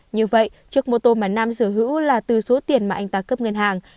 như vậy chiếc mô tô mà nam sở hữu là từ số tiền mà anh ta cấp ngân hàng